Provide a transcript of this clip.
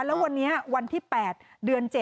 แล้ววันนี้วันที่๘เดือน๗